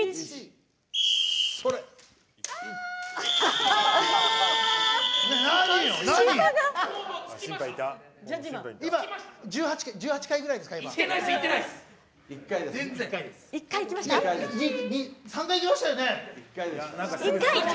３回、いきましたよね？